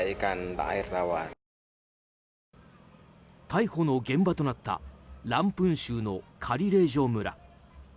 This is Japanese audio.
逮捕の現場となったランプン州のカリレジョ村。